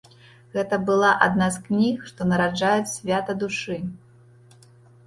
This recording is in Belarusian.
Гэта была адна з кніг, што нараджаюць свята душы.